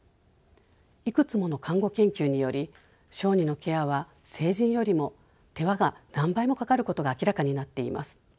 いくつもの看護研究により小児のケアは成人よりも手間が何倍もかかることが明らかになっています。